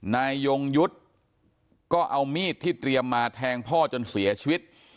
ยงยุทธ์ก็เอามีดที่เตรียมมาแทงพ่อจนเสียชีวิต